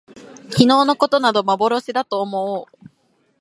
昨日きのうのことなど幻まぼろしだと思おもおう